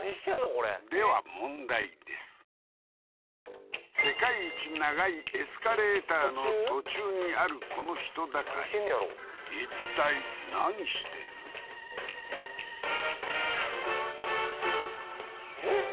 これでは世界一長いエスカレーターの途中にあるこの人だかり一体何してる？えっ？